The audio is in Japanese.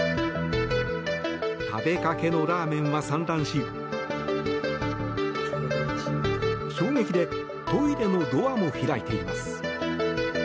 食べかけのラーメンは散乱し衝撃でトイレのドアも開いています。